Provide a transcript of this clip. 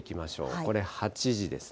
これ８時ですね。